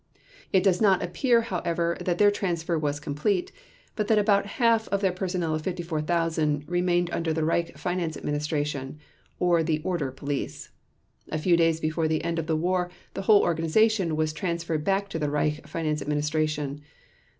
It does not appear, however, that their transfer was complete but that about half of their personnel of 54,000 remained under the Reich Finance Administration or the Order Police. A few days before the end of the war the whole organization was transferred back to the Reich Finance Administration.